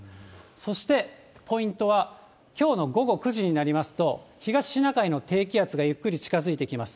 そしてポイントは、きょうの午後９時になりますと、東シナ海の低気圧がゆっくり近づいてきます。